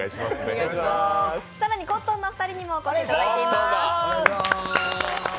更にコットンのお二人にもお越しいただきました。